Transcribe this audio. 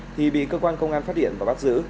thì bị cơ quan công an phát hiện và bắt giữ